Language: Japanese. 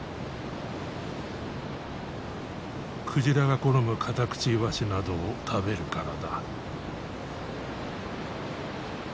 鯨が好むカタクチイワシなどを食べるからだ。